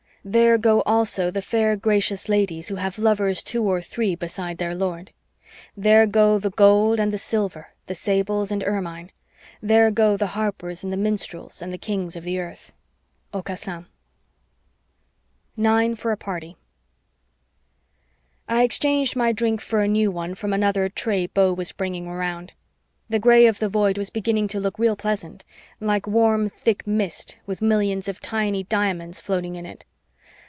There go also the fair gracious ladies who have lovers two or three beside their lord. There go the gold and the silver, the sables and ermine. There go the harpers and the minstrels and the kings of the earth. Aucassin NINE FOR A PARTY I exchanged my drink for a new one from another tray Beau was bringing around. The gray of the Void was beginning to look real pleasant, like warm thick mist with millions of tiny diamonds floating in it.